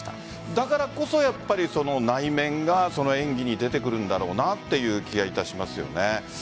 だからこそ内面が演技に出てくるんだろうなという気がしますよね。